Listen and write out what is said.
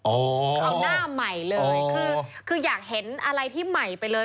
เอาหน้าใหม่เลยคืออยากเห็นอะไรที่ใหม่ไปเลย